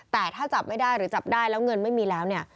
แต่ถ้าจับไม่ได้หรือจับได้แล้วเงินไม่มีแล้วเนี่ย